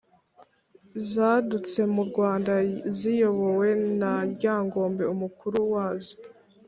zadutse mu rwanda ziyobowe na ryangombe umukuru wazo